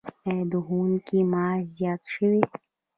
آیا د ښوونکو معاش زیات شوی؟